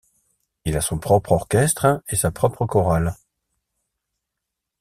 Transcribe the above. Il a son propre orchestre et sa propre chorale.